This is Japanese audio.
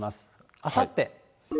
あさって。